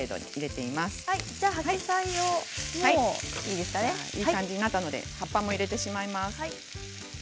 いい感じになったので葉っぱも入れます。